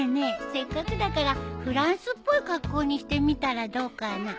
せっかくだからフランスっぽい格好にしてみたらどうかな？